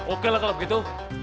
oke lah kalau begitu